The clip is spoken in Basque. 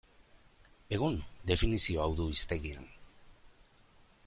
Egun, definizio hau du hiztegian.